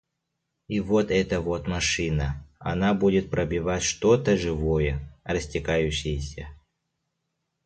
И вот эта вот машина, она будет пробивать что-то живое, растекающееся.